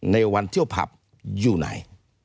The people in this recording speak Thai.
ในวันเที่ยวผับอยู่ไหน